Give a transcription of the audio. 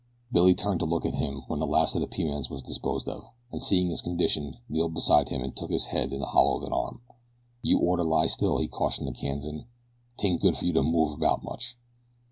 Billy turned to look at him when the last of the Pimans was disposed of, and seeing his condition kneeled beside him and took his head in the hollow of an arm. "You orter lie still," he cautioned the Kansan. "Tain't good for you to move around much."